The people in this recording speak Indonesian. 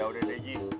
ya udah deji